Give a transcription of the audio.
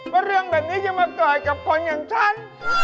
ว่าเรื่องแบบนี้จะมาเกิดกับคนอย่างฉัน